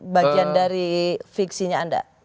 bagian dari fiksinya anda